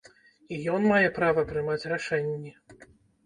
І ён мае права прымаць рашэнні.